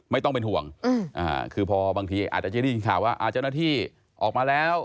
ไม่ต้องเป็นห่วงคือพอบางทีอาจจะได้ยินข่าวว่าเจ้าหน้าที่ออกมาแล้ว